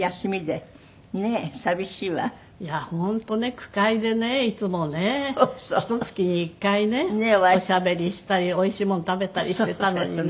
句会でねいつもねひと月に１回ねおしゃべりしたりおいしいもの食べたりしてたのにね。